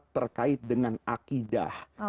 terkait dengan akidah